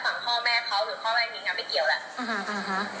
ตามส่วนใหม่แล้วคือมิ๊กกับเขามีสินค้าสินใจร่วมกัน